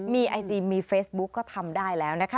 มีไอจีมีเฟซบุ๊กก็ทำได้แล้วนะคะ